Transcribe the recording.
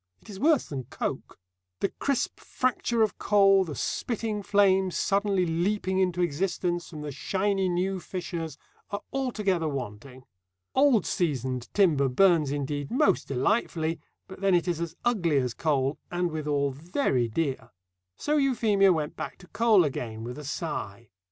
It is worse than coke. The crisp fracture of coal, the spitting flames suddenly leaping into existence from the shiny new fissures, are altogether wanting. Old seasoned timber burns indeed most delightfully, but then it is as ugly as coal, and withal very dear. So Euphemia went back to coal again with a sigh.